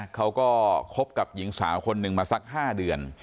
เขาก็คบกับหญิงสาวคนหนึ่งมาสัก๕เดือน